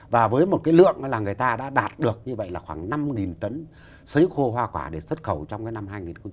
và với một cái lượng là người ta đã đạt được như vậy là khoảng năm tấn xấy khô hoa quả để xuất khẩu trong cái năm hai nghìn hai mươi